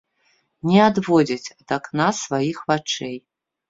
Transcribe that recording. Не адводзіць ад акна сваіх вачэй.